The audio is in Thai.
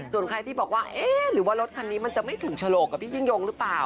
ส่วนใครที่บอกว่าเอ๊ะหรือว่ารถคันนี้มันจะไม่ถึงฉลกกับพี่ยิ่งยงหรือเปล่า